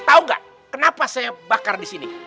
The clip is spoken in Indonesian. tau gak kenapa saya bakar disini